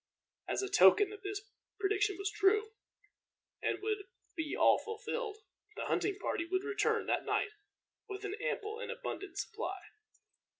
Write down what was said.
As a token that this prediction was true, and would be all fulfilled, the hunting party would return that night with an ample and abundant supply.